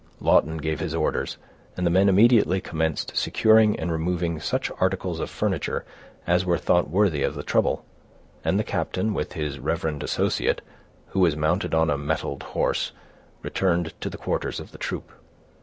Lawton gave his orders, and the men immediately commenced securing and removing such articles of furniture as were thought worthy of the trouble; and the captain, with his reverend associate, who was mounted on a mettled horse, returned to the quarters of the troop.